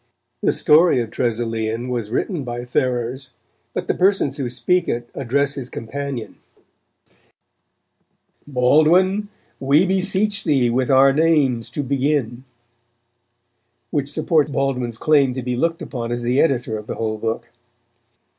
The story of Tresilian was written by Ferrers, but the persons who speak it address his companion: Baldwin, we beseech thee with our names to begin which support Baldwin's claim to be looked upon as the editor of the whole book.